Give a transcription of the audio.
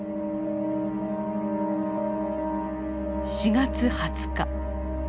４月２０日。